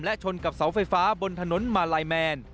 และชนกับเสาไฟฟ้าบนถนนมาลายแมน